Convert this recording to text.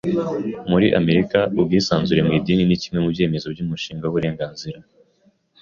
Muri Amerika, ubwisanzure mu idini ni kimwe mu byemezo by’umushinga w’uburenganzira